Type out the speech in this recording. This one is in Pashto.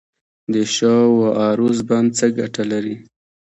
د شاه و عروس بند څه ګټه لري؟